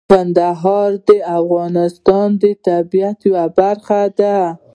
کندهار د افغانستان د طبیعت یوه برخه ده.